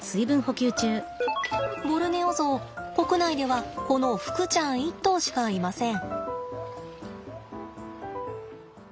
ボルネオゾウ国内ではこのふくちゃん１頭しかいません。